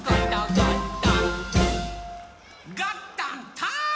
ゴットントーン！